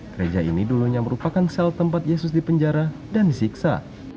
gereja ini dulunya merupakan sel tempat yesus dipenjara dan disiksa